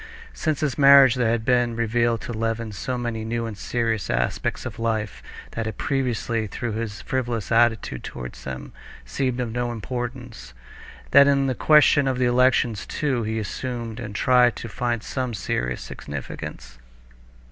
Since his marriage there had been revealed to Levin so many new and serious aspects of life that had previously, through his frivolous attitude to them, seemed of no importance, that in the question of the elections too he assumed and tried to find some serious significance.